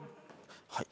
はい。